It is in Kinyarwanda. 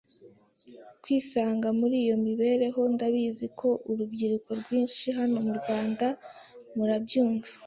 kwisanga muri iyo miberereho. Ndabizi ko urubyiruko rwinshi hano mu Rwanda murabyumva